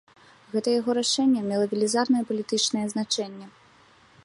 Гэта яго рашэнне мела велізарнае палітычнае значэнне.